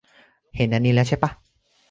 เห็นอันนี้แล้วใช่ป่ะ